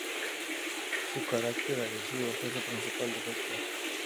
Su carácter agresivo fue su principal defecto.